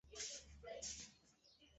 这也是罗伯托首次在中国的演出。